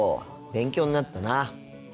勉強になったな。